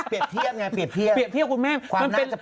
เปรียบเทียบไงเปรียบเทียบ